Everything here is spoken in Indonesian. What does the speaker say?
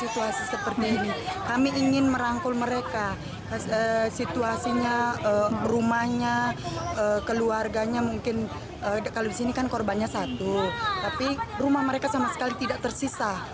tapi rumah mereka sama sekali tidak tersisa